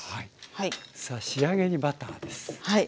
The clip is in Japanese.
はい仕上げにバターで。